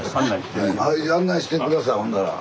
案内して下さいほんだら。